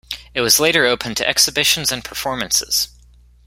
It was later opened to exhibitions and performances.